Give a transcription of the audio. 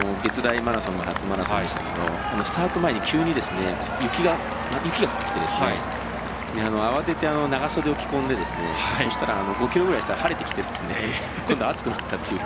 別大マラソンが初マラソンでしたけどスタート前に急に雪が降ってきて慌てて、長袖を着込んでそしたら、５ｋｍぐらいしたら晴れてきて今度、暑くなったっていう。